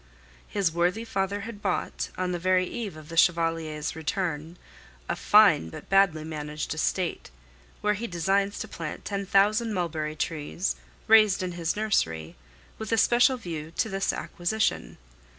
His worthy father had bought, on the very eve of the Chevalier's return, a fine but badly managed estate, where he designs to plant ten thousand mulberry trees, raised in his nursery with a special view to this acquisition.